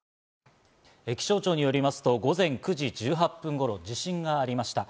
気象庁によりますと、午前９時１８分頃、地震がありました。